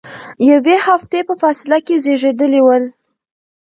یوې هفتې په فاصله کې زیږیدلي ول.